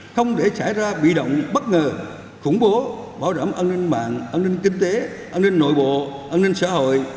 không để xảy ra bị động bất ngờ khủng bố bảo đảm an ninh mạng an ninh kinh tế an ninh nội bộ an ninh xã hội